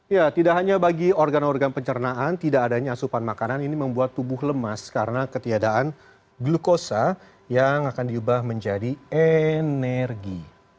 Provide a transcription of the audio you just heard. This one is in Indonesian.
ya tidak hanya bagi organ organ pencernaan tidak adanya asupan makanan ini membuat tubuh lemas karena ketiadaan glukosa yang akan diubah menjadi energi